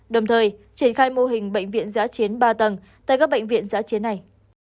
đồng thời triển khai mô hình bệnh viện giã chiến ba tầng tại các bệnh viện giã chiến này